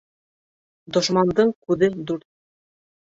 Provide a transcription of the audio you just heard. Дошмандың күҙе дүрт.